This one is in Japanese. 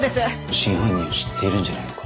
真犯人を知っているんじゃないのか？